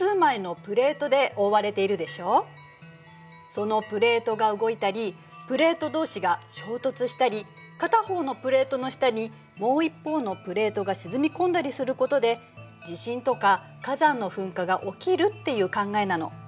そのプレートが動いたりプレート同士が衝突したり片方のプレートの下にもう一方のプレートが沈み込んだりすることで地震とか火山の噴火が起きるっていう考えなの。